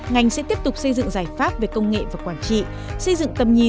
ngành sẽ tiếp tục xây dựng giải pháp về công nghệ và quản trị xây dựng tầm nhìn